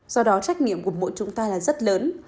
do đó trách nhiệm của mỗi chúng ta là rất lớn